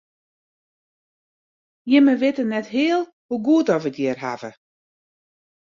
Jimme witte net heal hoe goed oft wy it hjir hawwe.